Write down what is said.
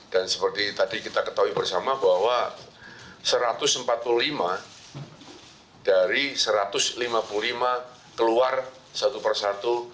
dan seperti tadi kita ketahui bersama bahwa satu ratus empat puluh lima dari satu ratus lima puluh lima keluar satu persatu